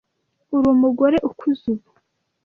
Ur'umugore ukuze ubu;